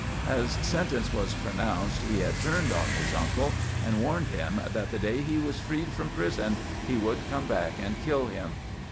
As sentence was pronounced he had turned on his uncle and warned him that the day he was freed from prison he would come back and kill him.